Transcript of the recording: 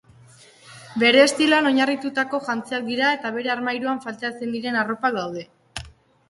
Bere estiloan oinarritutako jantziak dira eta bere armairuan falta ezin diren arropak daude.